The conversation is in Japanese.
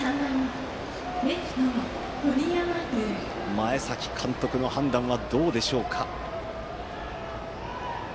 前崎監督の判断はどうでしょうか。